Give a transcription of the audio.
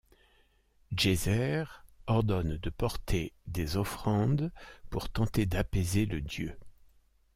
Djéser ordonne de porter des offrandes pour tenter d'apaiser le dieu.